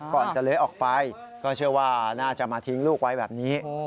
ก่อนจะเลื้อยออกไปก็เชื่อว่าน่าจะมาทิ้งลูกไว้แบบนี้